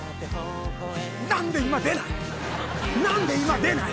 何で何で今出ない！